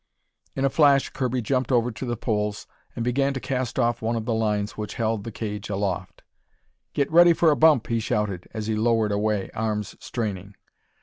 In a flash Kirby jumped over to the poles and began to cast off one of the lines which held the cage aloft. "Get ready for a bump!" he shouted, as he lowered away, arms straining.